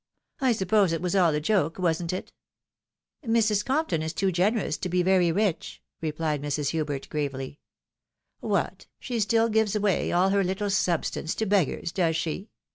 I suppose it was all a jok^, wasn't it ?" "Mrs. Compton is too generous to be very rich,'' repUed Mrs. Hubert, gravely. " What, she stiU gives away all her Ettle substance to beg gars, does she?